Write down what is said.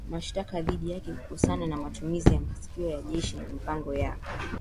na mashtaka dhidi yake kutokana na matumizi ya makisio ya jeshi na mipango ya